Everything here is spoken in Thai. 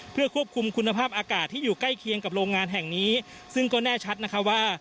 เพื่อควบคุมคุณภาพอากาศที่อยู่ใกล้เคียงกับโรงงานแห่งนี้ซึ่งก็แน่ชัดนะคะว่า